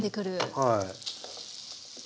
はい。